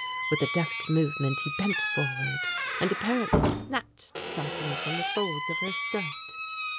With a deft movement he bent forward and apparently snatched something from the folds of her skirt.